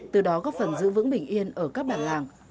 từ đó có phần giữ vững bình yên ở các bàn làng